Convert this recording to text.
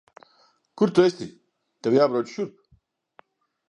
Kur tu esi? Tev jābrauc šurp.